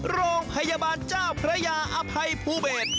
โรงพยาบาลเจ้าพระยาอภัยภูเบศ